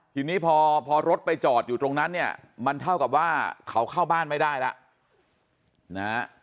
ทีนี้พอรถไปจอดอยู่ตรงนั้นเนี่ยมันเท่ากับว่าเขาเข้าบ้านไม่ได้แล้วนะฮะ